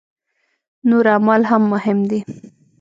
نور اعمال هم مهم دي.